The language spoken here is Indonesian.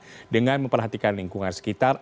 jangan lupa untuk memperhatikan lingkungan sekitar